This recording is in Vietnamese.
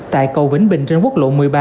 tại cầu vĩnh bình trên quốc lộ một mươi ba